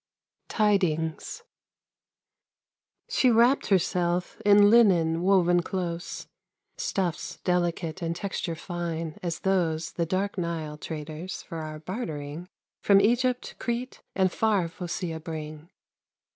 TIDINGS She wrapped herself in linen woven close, Stuffs delicate and texture fine as those The dark Nile traders for our bartering From Egypt, Crete and far Phocea bring.